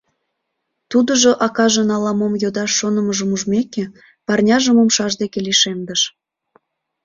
Тудыжо акажын ала-мом йодаш шонымыжым ужмеке, парняжым умшаж деке лишемдыш: